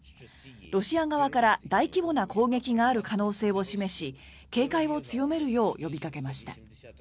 ロシア側から大規模な攻撃がある可能性を示し警戒を強めるよう呼びかけました。